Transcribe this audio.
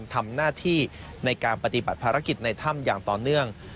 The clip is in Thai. ทำหน้าที่ในการปฏิบัติภารกิจในถ้ำอย่างต่อเนื่อง